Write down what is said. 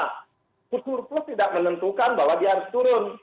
khusus khusus tidak menentukan bahwa dia harus turun